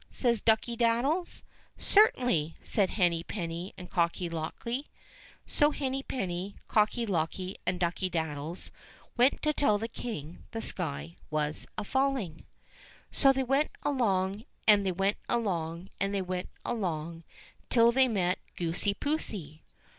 says Ducky daddies. "Certainly," said Henny penny and Cocky locky. So Henny penny, Cocky locky, and Ducky daddies went to tell the King the sky was a falling. 215 2l6 ENGLISH FAIRY TALES So they went along, and they went along, and they went along, till they met Goosey poosey.